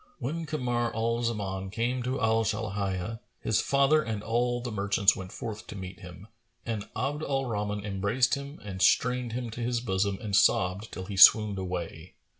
When Kamar al Zaman came to Al Sбlihiyah,[FN#439] his father and all the merchants went forth to meet him, and Abd al Rahman embraced him and strained him to his bosom and sobbed till he swooned away.